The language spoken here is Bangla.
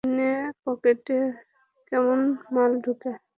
দিনে পকেটে কেমন মাল ঢুকে?